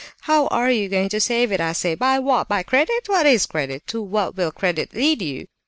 How are you going to save it, I say? By what? By credit? What is credit? To what will credit lead you?"